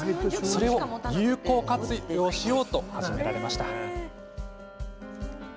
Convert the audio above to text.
それを有効利用しようと始められました。